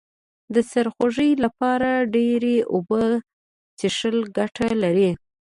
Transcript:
د سرخوږي لپاره ډیرې اوبه څښل گټه لري